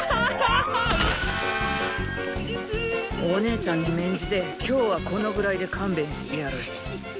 お姉ちゃんに免じて今日はこのぐらいで勘弁してやる。